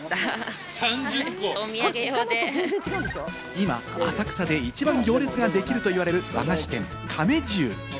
今、浅草で一番行列ができるといわれる和菓子店・亀十。